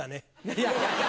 いやいやいや。